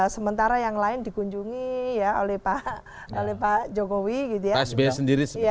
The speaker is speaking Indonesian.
sementara yang lain dikunjungi oleh pak jokowi gitu ya